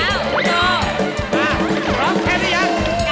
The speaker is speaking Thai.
ไม่กดดันเลยทุกคน